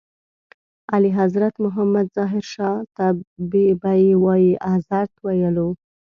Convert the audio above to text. اعلیحضرت محمد ظاهر شاه ته به یې وایي اذرت ویلو.